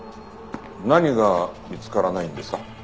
何が見つからないんですか？